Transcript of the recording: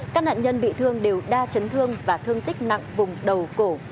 các nạn nhân bị thương đều đa chấn thương và thương tích nặng vùng đầu cổ